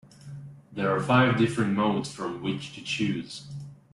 There are five different modes from which to choose.